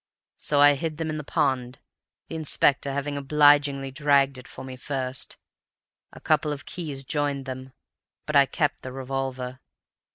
So I hid them in the pond, the Inspector having obligingly dragged it for me first. A couple of keys joined them, but I kept the revolver.